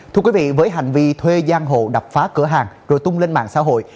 thưa quý vị với hành vi thuê giang hộ đập phá cửa hàng rồi tung lên mạng xã hội